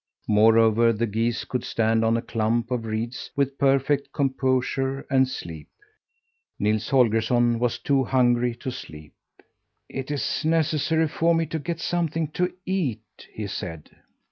Moreover, the geese could stand on a clump of reeds with perfect composure, and sleep. Nils Holgersson was too hungry to sleep. "It is necessary for me to get something to eat," he said.